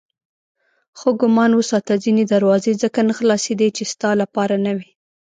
ښه ګمان وساته ځینې دروازې ځکه نه خلاصېدې چې ستا لپاره نه وې.